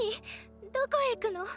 どこへ行くの？